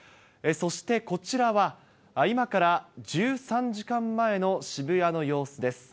そして、こちらは今から１３時間前の渋谷の様子です。